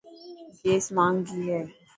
گيس ماهنگي هي.